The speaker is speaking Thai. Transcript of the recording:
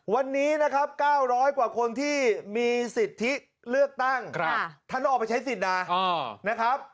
วันนี้๙๐๐กว่าคนที่มีสิทธิเลือกตั้งท่านต้องออกไปใช้สินค์นะ